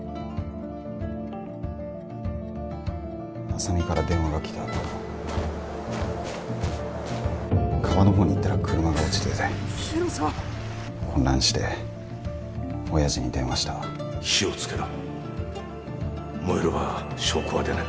浅見から電話がきたあと・川の方に行ったら車が落ちてて混乱して親父に電話した火をつけろ燃えれば証拠は出ない